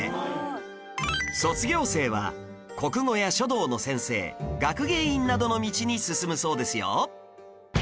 卒業生は国語や書道の先生学芸員などの道に進むそうですよ